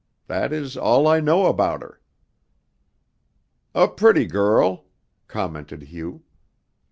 That is all I know about her." "A pretty girl," commented Hugh.